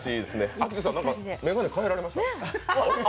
アキトさん、眼鏡変えられました？